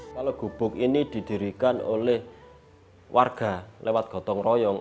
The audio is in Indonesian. kalau gubuk ini didirikan oleh warga lewat gotong royong